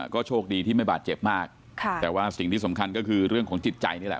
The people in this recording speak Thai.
ก็โชคดีที่ไม่บาดเจ็บมากค่ะแต่ว่าสิ่งที่สำคัญก็คือเรื่องของจิตใจนี่แหละ